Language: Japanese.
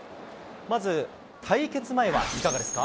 まず、対決前はいかがですか？